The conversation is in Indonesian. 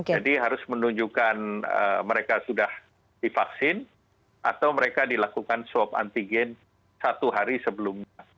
jadi harus menunjukkan mereka sudah divaksin atau mereka dilakukan swab antigen satu hari sebelumnya